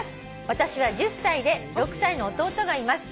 「私は１０歳で６歳の弟がいます」